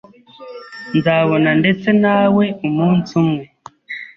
Nzabona ndetse nawe umunsi umwe.